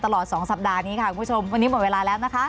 ตลอด๒สัปดาห์นี้ค่ะคุณผู้ชมวันนี้หมดเวลาแล้วนะคะ